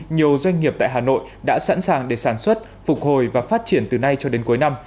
nhiều doanh nghiệp tại hà nội đã sẵn sàng để sản xuất phục hồi và phát triển từ nay cho đến cuối năm